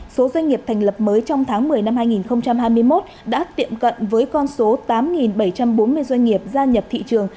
số doanh nghiệp thành lập mới trong tháng một mươi năm hai nghìn hai mươi một đã tiệm cận với con số tám bảy trăm bốn mươi doanh nghiệp gia nhập thị trường